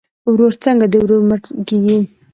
ورور څنګه د ورور مټ کیږي؟